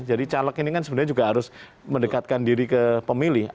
jadi caleg ini kan sebenarnya juga harus mendekatkan diri ke pemilih